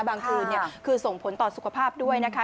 คืนคือส่งผลต่อสุขภาพด้วยนะคะ